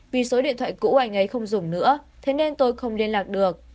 vì số điện thoại cũ anh ấy không dùng nữa thế nên tôi không liên lạc được